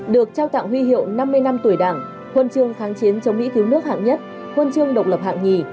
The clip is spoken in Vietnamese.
được trao tặng huy hiệu năm mươi năm tuổi đảng khuôn trương kháng chiến chống mỹ thiếu nước hạng nhất khuôn trương độc lập hạng nhì